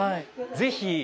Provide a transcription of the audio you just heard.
ぜひ。